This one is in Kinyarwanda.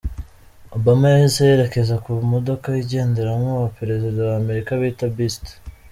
Obama yahise yerekeza ku modoka igenderamo abaperezida ba Amerika bita ’Beast’.